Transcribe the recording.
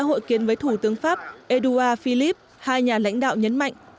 hội kiến với thủ tướng pháp édouard philip hai nhà lãnh đạo nhấn mạnh